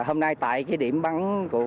hôm nay tại điểm bắn